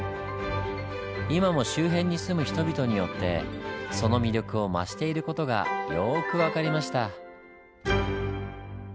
今も周辺に住む人々によってその魅力を増している事がよく分かりました。